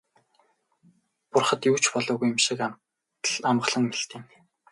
Бурхад юу ч болоогүй юм шиг амгалан мэлтийнэ.